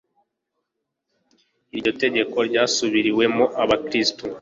iryo tegeko ryasubiriwemo abakristo